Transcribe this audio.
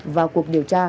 vào cuộc điều tra